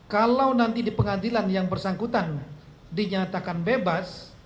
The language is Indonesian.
kalau nanti di pengadilan yang bersangkutan dinyatakan bebas